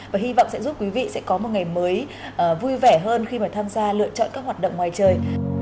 và hy vọng sẽ giúp quý vị sẽ có một ngày mới vui vẻ hơn khi mà tham gia lựa chọn các hoạt động ngoài trời